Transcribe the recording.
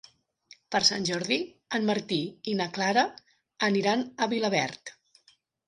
Per Sant Jordi en Martí i na Clara aniran a Vilaverd.